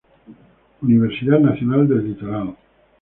Universidad Nacional del Litoral.